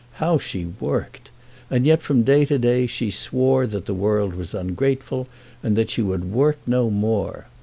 How she worked! And yet from day to day she swore that the world was ungrateful, and that she would work no more!